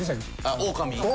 オオカミの。